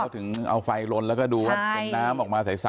ถึงเอาไฟลนแล้วก็ดูว่าเห็นน้ำออกมาใส